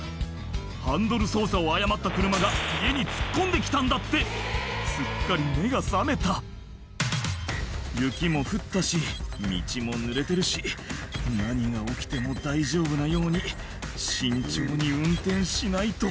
ハンドル操作を誤った車が家に突っ込んで来たんだってすっかり目が覚めた「雪も降ったし道もぬれてるし何が起きても大丈夫なように慎重に運転しないと」